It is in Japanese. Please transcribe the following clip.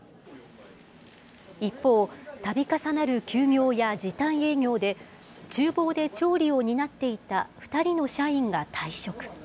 一方、たび重なる休業や時短営業で、ちゅう房で調理を担っていた２人の社員が退職。